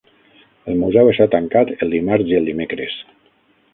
El museu està tancat el dimarts i el dimecres.